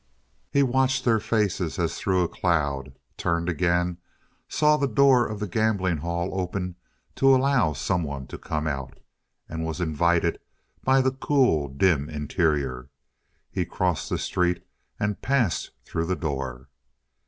He watched their faces as through a cloud, turned again, saw the door of the gambling hall open to allow someone to come out, and was invited by the cool, dim interior. He crossed the street and passed through the door.